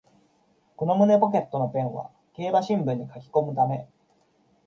この胸ポケットのペンは競馬新聞に書きこむため